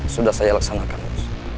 sudah saya laksanakan bos